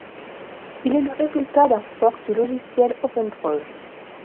Il est le résultat d'un fork du logiciel OpenProj.